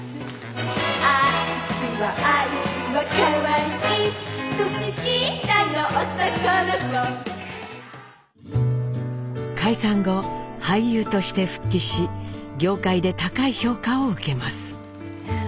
「あいつはあいつは可愛い」「年下の男の子」解散後俳優として復帰し業界で高い評価を受けます。